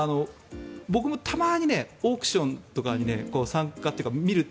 僕もたまにオークションとかに参加というか見る。